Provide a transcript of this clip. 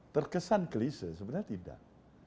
terkesan kelise sebenarnya tidak